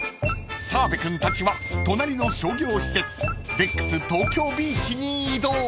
［澤部君たちは隣の商業施設デックス東京ビーチに移動］